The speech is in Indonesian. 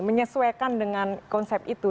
menyesuaikan dengan konsep itu